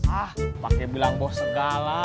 hah pake bilang bos segala